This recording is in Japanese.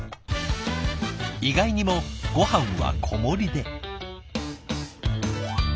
意外にもごはんは小盛りで。